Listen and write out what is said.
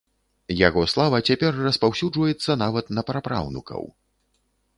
Яго слава цяпер распаўсюджваецца нават на прапраўнукаў.